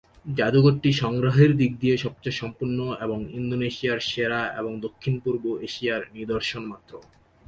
জাদুঘরটি সংগ্রহের দিক দিয়ে সবচেয়ে সম্পূর্ণ এবং ইন্দোনেশিয়ার সেরা এবং দক্ষিণপূর্ব এশিয়ার নিদর্শন মাত্র।